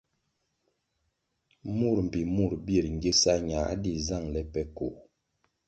Mur mbpi mur bir gigsa ñā dig zangʼle pe koh.